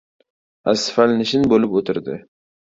Asfalnishin bo‘lib o‘tirdi.